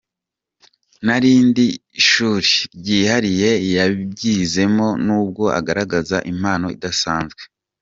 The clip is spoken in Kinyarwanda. Nta rindi shuri ryihariye yabyizemo nubwo agaragaza impano idasanzwe.